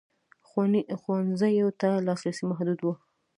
ښوونځیو ته لاسرسی محدود و.